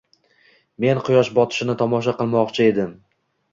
— Men quyosh botishini tomosha qilmoqchi edim.